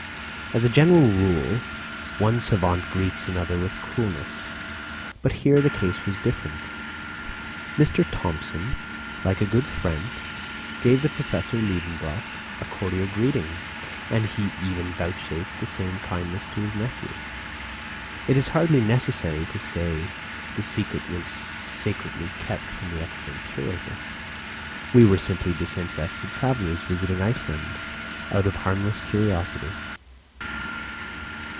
As a general rule one savant greets another with coolness. But here the case was different. M. Thomsen, like a good friend, gave the Professor Liedenbrock a cordial greeting, and he even vouchsafed the same kindness to his nephew. It is hardly necessary to say the secret was sacredly kept from the excellent curator; we were simply disinterested travellers visiting Iceland out of harmless curiosity.